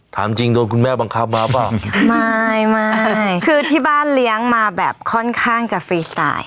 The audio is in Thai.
ถามจริงโดนคุณแม่บังคับมาเปล่าไม่ไม่คือที่บ้านเลี้ยงมาแบบค่อนข้างจะฟรีสไตล์